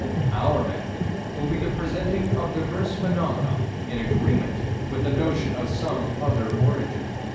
Our method will be the presenting of diverse phenomena in agreement with the notion of some other origin.